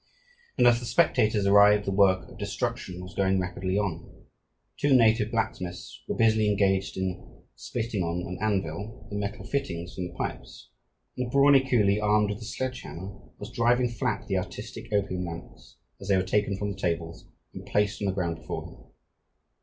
and as the spectators arrived the work of destruction was going rapidly on. Two native blacksmiths were busily engaged in splitting on an anvil the metal fittings from the pipes, and a brawny coolie, armed with a sledgehammer, was driving flat the artistic opium lamps as they were taken from the tables and placed on the ground before him.